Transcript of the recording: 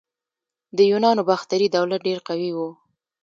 د یونانو باختري دولت ډیر قوي و